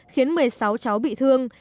khiến một mươi sáu cháu bị thương